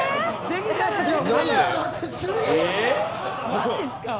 マジっすか。